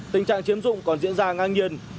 tình trạng chiếm dụng còn diễn ra ngang nhiên